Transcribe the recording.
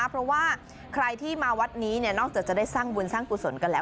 เพราะว่าใครที่มาวัดนี้นอกจากจะได้สร้างบุญสร้างกุศลกันแล้ว